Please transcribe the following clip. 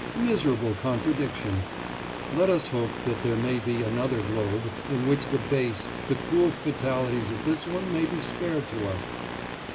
Miserable contradiction! Let us hope that there may be another globe in which the base, the cruel fatalities of this one may be spared to us!"